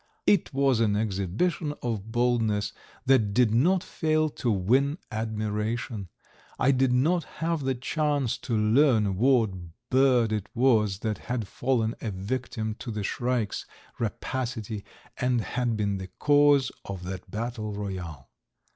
It was an exhibition of boldness that did not fail to win admiration. I did not have the chance to learn what bird it was that had fallen a victim to the shrikes' rapacity and had been the cause of that battle royal.